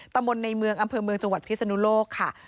ตำบลในเมืองอำเภอเมืองจังหวัดพิศนุโลกค่ะ